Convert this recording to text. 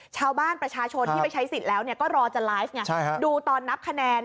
ชาวบ้านประชาชนที่ไปใช้สิทธิ์แล้วเนี่ยก็รอจะไลฟ์ดูตอนนับคะแนน